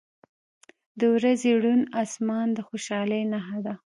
• د ورځې روڼ آسمان د خوشحالۍ نښه ده.